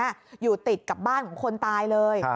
อยู่ติดกับบ้านของคนตายเลย